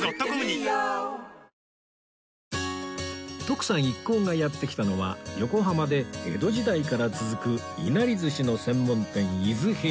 徳さん一行がやって来たのは横浜で江戸時代から続くいなり寿司の専門店泉平